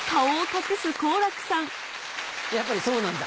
やっぱりそうなんだ。